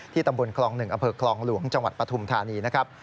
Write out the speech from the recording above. ตำบลคลอง๑อำเภอคลองหลวงจังหวัดปฐุมธานีนะครับ